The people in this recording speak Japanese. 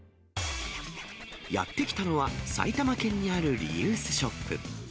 やって来たのは、埼玉県にあるリユースショップ。